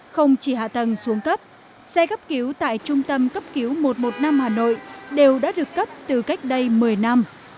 không chỉ hạ tầng xuống cấp xe gấp cứu tại trung tâm cấp cứu một trăm một mươi năm hà nội đều đã được cấp từ cách đây một mươi năm